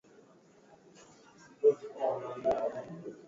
frank prentice alikuwa mmoja wa watu wa mwisho kwenye meli